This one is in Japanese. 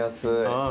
ああ。